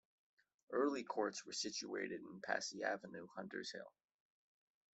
Early courts were situated in Passy Avenue, Hunters Hill.